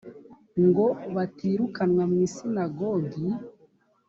ngo batirukanwa mu isinagogi